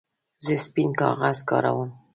زه سپین کاغذ کاروم.